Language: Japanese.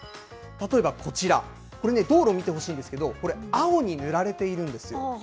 例えばこちら、これね、道路見てほしいんですけど、これ、青に塗られているんですよ。